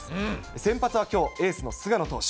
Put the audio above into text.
先発はきょう、エースの菅野投手。